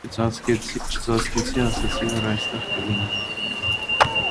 Չծածկեցի, ասացի, որ այստեղ կլինի: